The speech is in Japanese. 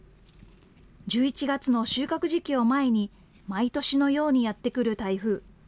１１月の収穫時期を前に、毎年のようにやって来る台風。